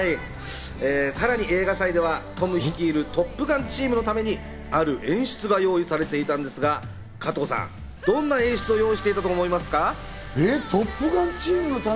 さらに映画祭ではトム率いるトップガンチームのためにある演出が用意されていたんですが、加藤さん、どんな演出を用意していたと思いますか？